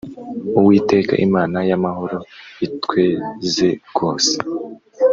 uwiteka imana y’amahoro itweze rwose